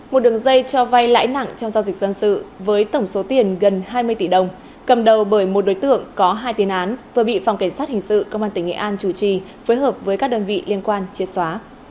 một đường dây cho vay lãi nặng trong giao dịch dân sự với tổng số tiền gần hai mươi tỷ đồng cầm đầu bởi một đối tượng có hai tiền án vừa bị phòng cảnh sát hình sự công an tỉnh nghệ an chủ trì phối hợp với các đơn vị liên quan chia xóa